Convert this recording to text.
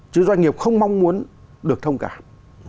chứ doanh nghiệp không mong muốn được thông cảm